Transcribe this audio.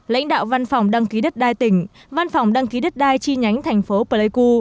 lãnh đạo văn phòng đăng ký đất đai tỉnh văn phòng đăng ký đất đai chi nhánh thành phố pleiku